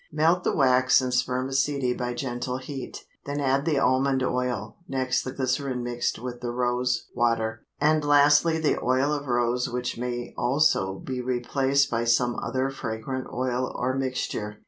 Melt the wax and spermaceti by gentle heat, then add the almond oil, next the glycerin mixed with the rose water, and lastly the oil of rose which may also be replaced by some other fragrant oil or mixture.